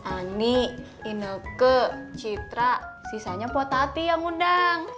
ani ineke citra sisanya potati yang undang